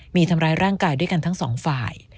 มีทำร้ายร่างกายด้วยกันทั้งสองฝ่าย